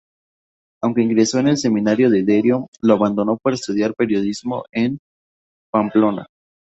Aunque ingresó en el seminario de Derio, lo abandonó para estudiar periodismo en Pamplona.